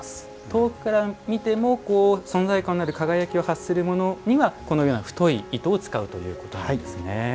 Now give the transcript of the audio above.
遠くから見ても存在感のある輝きを発するものにはこのような太い糸を使うということなんですね。